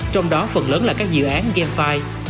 trong đó phần lớn là các dự án gamefi